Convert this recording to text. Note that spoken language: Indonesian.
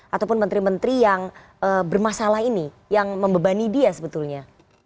ataupun menteri menteri yang bermasalah ini yang membebani dia sebetulnya